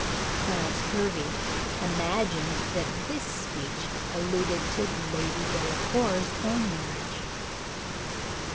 Clarence Hervey imagined that this speech alluded to Lady Delacour's own marriage.